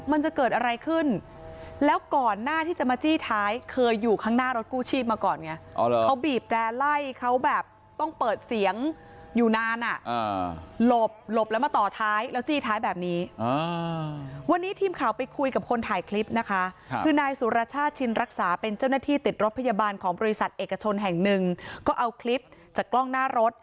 มันจะเกิดอะไรขึ้นแล้วก่อนหน้าที่จะมาจี้ท้ายเคยอยู่ข้างหน้ารถกู้ชีพมาก่อนไงเขาบีบแรร์ไล่เขาแบบต้องเปิดเสียงอยู่นานอ่ะหลบหลบแล้วมาต่อท้ายแล้วจี้ท้ายแบบนี้วันนี้ทีมข่าวไปคุยกับคนถ่ายคลิปนะคะคือนายสุรชาติชินรักษาเป็นเจ้าหน้าที่ติดรถพยาบาลของบริษัทเอกชนแห่งหนึ่งก็เอาคลิปจากกล้องหน้ารถ